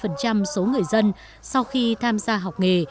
tuy nhiên tám mươi số người dân sau khi tham gia học nghề